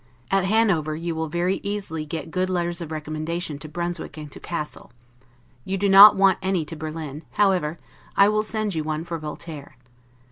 At Hanover you will very easily get good letters of recommendation to Brunswick and to Cassel. You do not want any to Berlin; however, I will send you one for Voltaire.